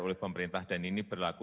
oleh pemerintah dan ini berlaku